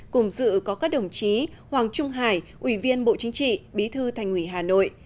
cùng dự có các đồng chí hoàng trung hải ủy viên bộ chính trị bí thư thành ủy hà nội